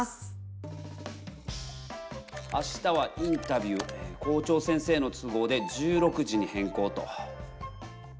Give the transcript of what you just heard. あしたはインタビュー校長先生の都合で１６時に変更と。